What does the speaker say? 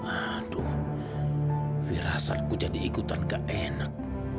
aduh firasatku jadi ikutan gak enak